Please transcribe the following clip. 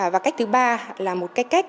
và cách thứ ba là một cách